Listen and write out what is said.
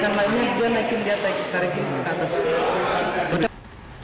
sampai sampai di atas